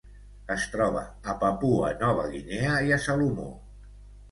Es troba a Papua Nova Guinea i a Salomó.